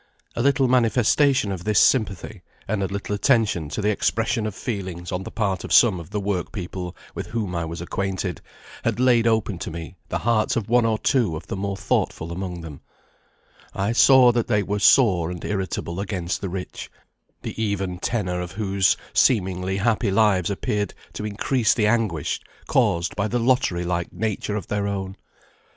A little manifestation of this sympathy, and a little attention to the expression of feelings on the part of some of the work people with whom I was acquainted, had laid open to me the hearts of one or two of the more thoughtful among them; I saw that they were sore and irritable against the rich, the even tenor of whose seemingly happy lives appeared to increase the anguish caused by the lottery like nature of their own.